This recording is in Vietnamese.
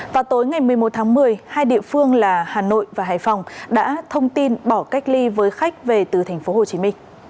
vào tối ngày một mươi một tháng một mươi hai địa phương là hà nội và hải phòng đã thông tin bỏ cách ly với khách về từ tp hcm